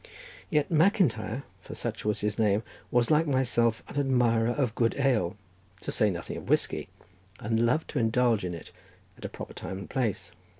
Yet MacIntyre, for such was his name, was like myself an admirer of good ale, to say nothing of whiskey, and loved to indulge in it at a proper time and place.